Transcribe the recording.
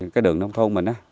cái đường nông thôn mình